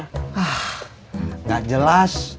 hah nggak jelas